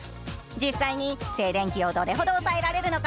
実際に静電気をどれくらい抑えられるのか。